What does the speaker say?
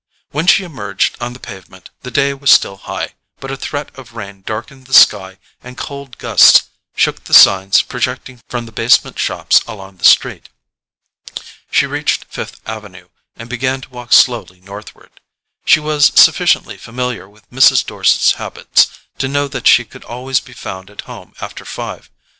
When she emerged on the pavement, the day was still high, but a threat of rain darkened the sky and cold gusts shook the signs projecting from the basement shops along the street. She reached Fifth Avenue and began to walk slowly northward. She was sufficiently familiar with Mrs. Dorset's habits to know that she could always be found at home after five.